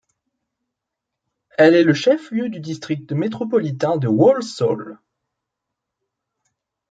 Elle est le chef-lieu du district métropolitain de Walsall.